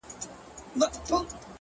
د وجود ساز ته یې رگونه له شرابو جوړ کړل؛